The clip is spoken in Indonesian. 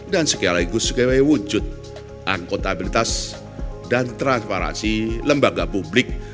dan sekaligus kewujudan akuntabilitas dan transparansi lembaga publik